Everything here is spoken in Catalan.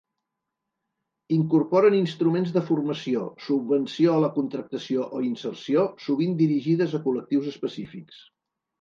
Incorporen instruments de formació, subvenció a la contractació o inserció, sovint dirigides a col·lectius específics.